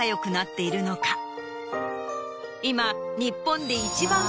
今。